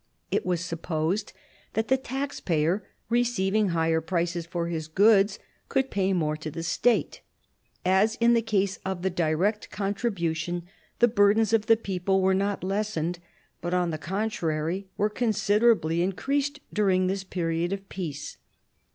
It was supposed that the tax payer receiving higher prices for his goods could pay more to the State. As in the case of the direct contribution, the burdens of the people were not lessened, but, on the contrary, were considerably increased during this period of peace.